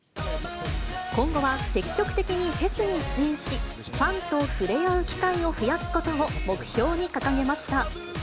今後は積極的にフェスに出演し、ファンと触れ合う機会を増やすことを目標に掲げました。